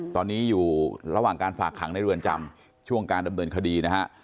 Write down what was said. ตอนนี้อยู่ระหว่างการฝากขังในเรือนจำช่วงการดำเนินคดีนะฮะ